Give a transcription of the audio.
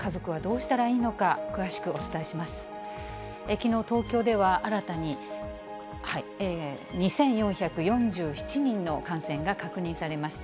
きのう、東京では新たに２４４７人の感染が確認されました。